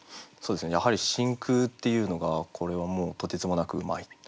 やはり「真空」っていうのがこれはもうとてつもなくうまい。